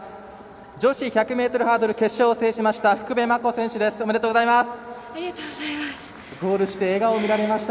女子１００ｍハードル決勝を制しました福部真子選手ですありがとうございます。